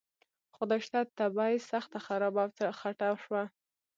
خدای شته طبعه یې سخته خرابه او خټه شوه.